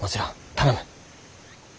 頼む。